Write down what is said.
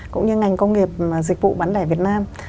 cũng như ngành công nghiệp dịch vụ bán lẻ việt nam